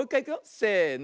せの。